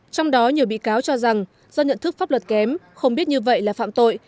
trong đó nhiều bị cáo cho rằng do nhận thức pháp luật kém không biết như vậy là phạm tội